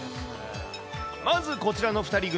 まずこちらの２人組。